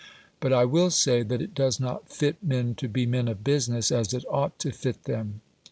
But I will say that it does not fit men to be men of business as it ought to fit them.